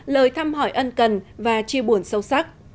lời thăm hỏi ân cần và chia buồn sâu sắc